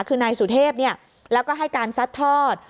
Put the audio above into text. คือนายสุเทพแล้วก็ให้การซัดทอด